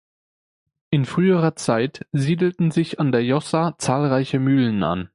In früherer Zeit siedelten sich an der Jossa zahlreiche Mühlen an.